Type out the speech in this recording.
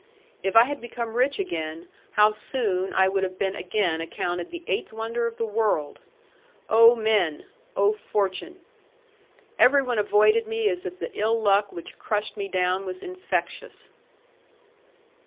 If I had become rich again, how soon I would have been again accounted the eighth wonder of the world! Oh, men! oh, fortune! Everyone avoided me as if the ill luck which crushed me down was infectious.